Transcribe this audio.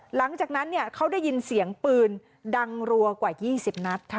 หลังจากนั้นเขาได้ยินเสียงปืนดังรัวกว่า๒๐นัดค่ะ